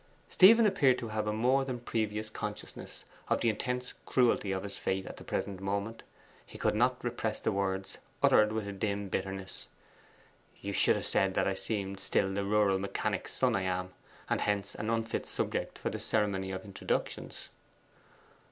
Stephen appeared to have a more than previous consciousness of the intense cruelty of his fate at the present moment. He could not repress the words, uttered with a dim bitterness: 'You should have said that I seemed still the rural mechanic's son I am, and hence an unfit subject for the ceremony of introductions.